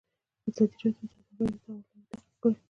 ازادي راډیو د سوداګري د تحول لړۍ تعقیب کړې.